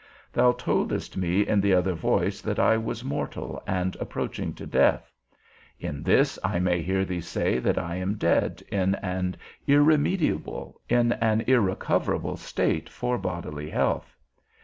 Thou toldest me in the other voice that I was mortal and approaching to death; in this I may hear thee say that I am dead in an irremediable, in an irrecoverable state for bodily health.